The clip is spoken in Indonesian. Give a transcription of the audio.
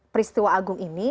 peristiwa agung ini